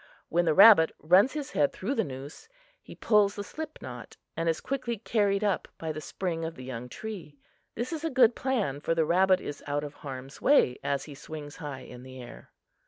When the rabbit runs his head through the noose, he pulls the slip knot and is quickly carried up by the spring of the young tree. This is a good plan, for the rabbit is out of harm's way as he swings high in the air.